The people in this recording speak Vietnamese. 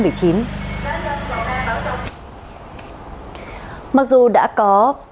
mặc dù đã có